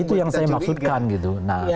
itu yang saya maksudkan gitu